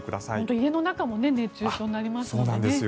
家の中も熱中症になりますからね。